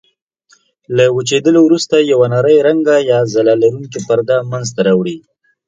له وچېدلو وروسته یوه نرۍ رنګه یا ځلا لرونکې پرده منځته راوړي.